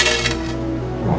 terima kasih ya